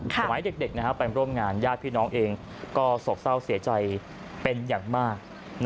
สมัยเด็กไปร่วมงานญาติพี่น้องเองก็โศกเศร้าเสียใจเป็นอย่างมาก